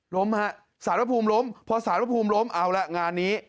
ล้มฮะสารภูมิล้มพอสารภูมิล้มเอาละงานนี้